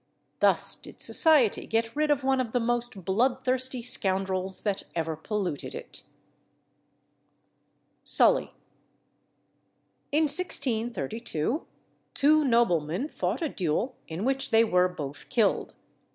Thus did society get rid of one of the most bloodthirsty scoundrels that ever polluted it. [Illustration: SULLY.] In 1632 two noblemen fought a duel in which they were both killed.